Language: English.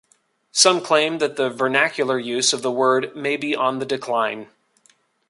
Some claim that the vernacular use of the word may be on the decline.